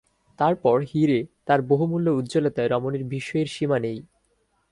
তার পর হীরে, তার বহুমূল্য উজ্জ্বলতায় রমণীর বিস্ময়ের সীমা নেই।